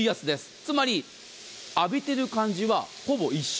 つまり浴びてる感じはほぼ一緒。